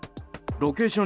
ロケーション